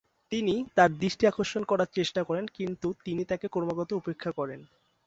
তিনি তার দৃষ্টি আকর্ষণ করার চেষ্টা করেন, কিন্তু তিনি তাকে ক্রমাগত উপেক্ষা করেন।